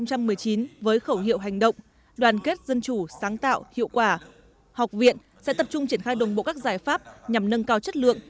năm hai nghìn một mươi chín với khẩu hiệu hành động đoàn kết dân chủ sáng tạo hiệu quả học viện sẽ tập trung triển khai đồng bộ các giải pháp nhằm nâng cao chất lượng